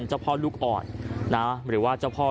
เจ้าพ่อลูกอ่อนนะหรือว่าเจ้าพ่อ